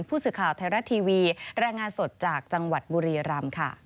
ผู้สื่อข่าวไทยรัฐทีวีรายงานสดจากจังหวัดบุรีรำค่ะ